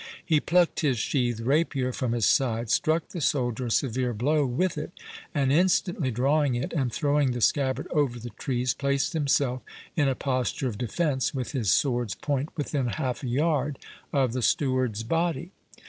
He plucked his sheathed rapier from his side, struck the soldier a severe blow with it, and instantly drawing it, and throwing the scabbard over the trees, placed himself in a posture of defence, with his sword's point within half a yard of the steward's body.